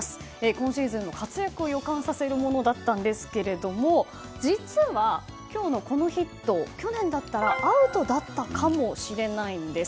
今シーズンの活躍を予感させるものだったんですけれども実は、今日のこのヒット去年だったらアウトだったかもしれないんです。